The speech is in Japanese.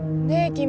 君。